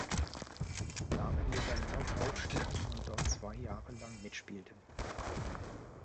Damenliga Nord aufstiegen und dort zwei Jahre lang mitspielten.